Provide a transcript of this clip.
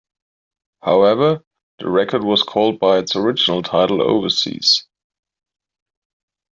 However, the record was called by its original title overseas.